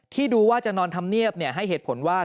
ที่ดูว่าจะนอนทำเนียบให้เหตุผลว่า